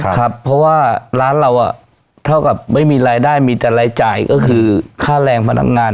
ครับเพราะว่าร้านเราเท่ากับไม่มีรายได้มีแต่รายจ่ายก็คือค่าแรงพนักงาน